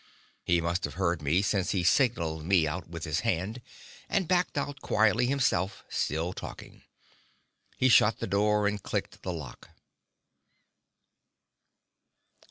He must have heard me, since he signalled me out with his hand, and backed out quietly himself, still talking. He shut the door, and clicked the lock.